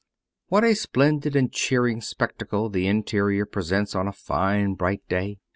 What a splendid and cheering spectacle the interior presents on a fine, bright day!